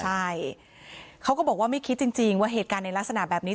ใช่เขาก็บอกว่าไม่คิดจริงว่าเหตุการณ์ในลักษณะแบบนี้